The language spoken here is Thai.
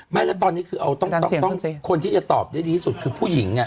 ไม่แล้วตอนนี้คือเอาต้องคนที่จะตอบได้ดีที่สุดคือผู้หญิง